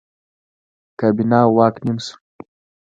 کابینه او واک نیم شو.